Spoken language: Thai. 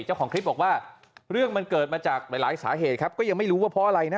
เจ้าของคลิปบอกว่าเรื่องมันเกิดมาจากหลายสาเหตุครับก็ยังไม่รู้ว่าเพราะอะไรนะ